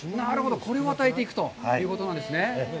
これを与えていくということなんですね。